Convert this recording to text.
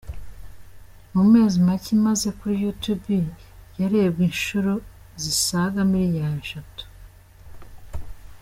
Mu mezi make imaze kuri YouTube yarebwe inshuro zisaga miliyari eshatu.